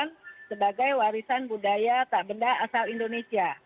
itu kita belum daftarkan sebagai warisan budaya benda asal indonesia